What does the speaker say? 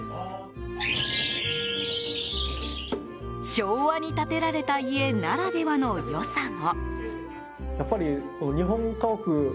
昭和に建てられた家ならではの良さも。